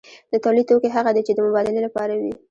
د تولید توکي هغه دي چې د مبادلې لپاره وي.